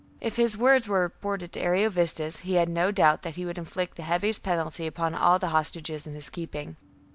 If his words were reported to Ariovistus, he had no doubt that he would inflict the heaviest penalty upon all the hostages in his keeping.